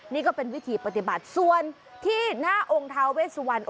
นี่ก็เป็นวิธีปฏิบัติส่วนที่หน้าองค์ท้าเวสวัน